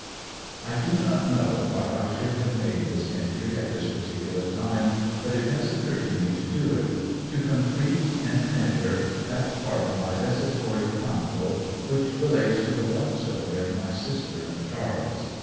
I do not know why I should have made this entry at this particular time; but it has occurred to me to do it to complete, in a measure, that part of my desultory chronicle which relates to the love story of my sister and Charles.